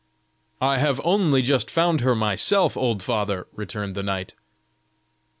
"I have only just found her myself, old father," returned the knight.